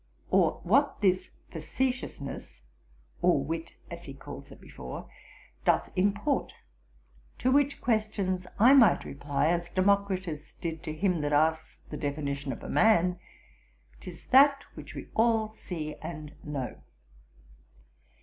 Or what this facetiousness (or wit as he calls it before) doth import? To which questions I might reply, as Democritus did to him that asked the definition of a man, "'Tis that which we all see and know."